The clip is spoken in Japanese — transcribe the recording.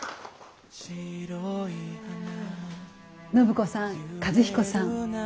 暢子さん和彦さん